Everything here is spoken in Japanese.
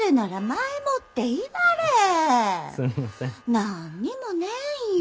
何にもねえんよ。